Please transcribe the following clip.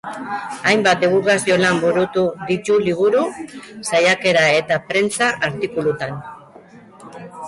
Hainbat dibulgazio lan burutu ditu liburu, saiakera eta prentsa-artikulutan.